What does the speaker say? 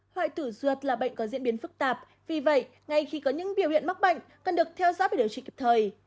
hoại tử ruột là bệnh có diễn biến phức tạp vì vậy ngay khi có những biểu hiện mắc bệnh cần được theo giáp và điều trị kịp thời